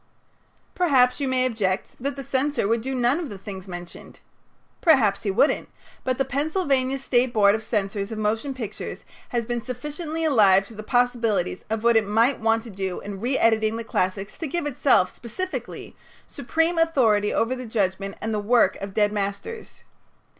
Perhaps you may object that the censor would do none of the things mentioned. Perhaps he wouldn't, but the Pennsylvania State Board of Censors of Motion Pictures has been sufficiently alive to the possibilities of what it might want to do in reëditing the classics to give itself, specifically, supreme authority over the judgment and the work of dead masters.